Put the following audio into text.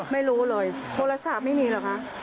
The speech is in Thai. ไม่รู้เลยโทรศัพท์ไม่มีเหรอคะ